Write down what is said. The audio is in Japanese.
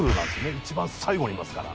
一番最後にいますから。